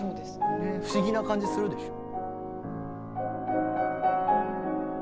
不思議な感じするでしょ。